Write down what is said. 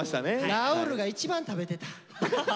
ラウールが一番食べてた。